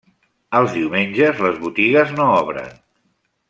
Els diumenges les botigues no obren.